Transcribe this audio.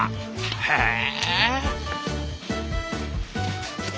へえ！